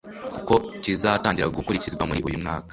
kuko kizatangira gukurikizwa muri uyu mwaka